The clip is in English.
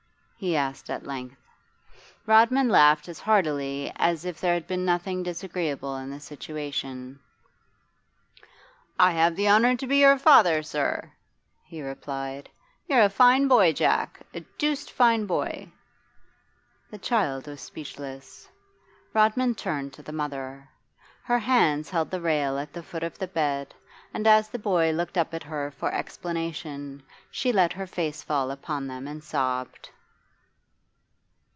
he asked at length. Rodman laughed as heartily as if there had been nothing disagreeable in the situation. 'I have the honour to be your father, sir,' he replied. 'You're a fine boy, Jack a deuced fine boy.' The child was speechless. Rodman turned to the mother. Her hands held the rail at the foot of the bed, and as the boy looked up at her for explanation she let her face fall upon them and sobbed.